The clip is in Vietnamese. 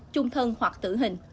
trung thân hoặc tử hình